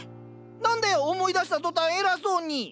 何だよ思い出した途端偉そうに。